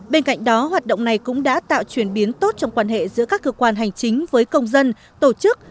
bên cạnh đó hoạt động này cũng đã tạo chuyển biến tốt trong quan hệ giữa các cơ quan hành chính với công dân tổ chức